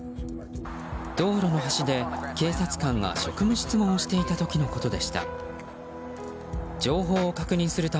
道路の端で警察官が職務質問をしていた時のことでした。